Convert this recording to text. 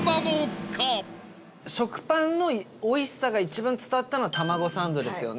食パンのおいしさが一番伝わったのはたまごサンドですよね。